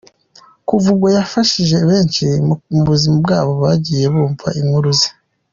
Kuva ubwo yafashije benshi mu buzima bwabo bagiye bumva inkuru ze.